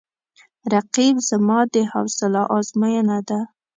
رقیب زما د حوصله آزموینه ده